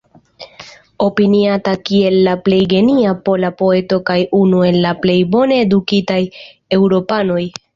Opiniata kiel la plej genia pola poeto kaj unu el plej bone edukitaj eŭropanoj.